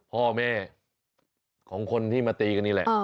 พ่อแม่ของคนที่มาตีกันนี่แหละ